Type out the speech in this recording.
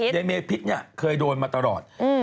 ในเมพิษเนี่ยเคยโดนมาตลอด